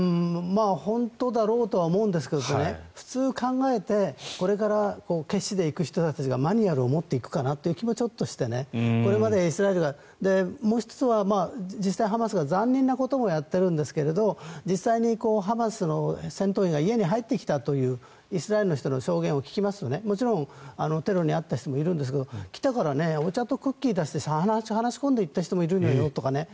本当だろうとは思うんですが普通、考えてこれから決死で行く人たちがマニュアルを持っていくかなという気もしてもう１つは実際、ハマスは残忍なこともやっているんですが実際にハマスの戦闘員が家に入ってきたというイスラエルの人の証言を聞きますともちろんテロに遭った人もいるんですが来たからお茶とクッキーを出して話し込んでいった人もいるのよとかね